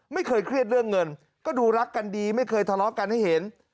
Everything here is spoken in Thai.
ไม่เคยเครียดเรื่องเงินก็ดูรักกันดีไม่เคยทะเลาะกันให้เห็น